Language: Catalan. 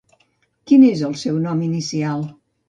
Quin és el seu nom inicial?